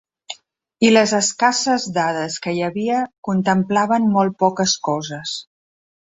I les escasses dades que hi havia contemplaven molt poques coses.